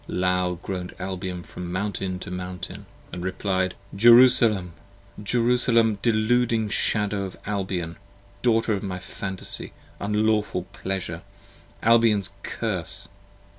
36 Loud groan'd Albion from mountain to mountain & replied. p. 23 JERUSALEM! Jerusalem! deluding shadow of Albion! Daughter of my phantasy! unlawful pleasure! Albion's curse!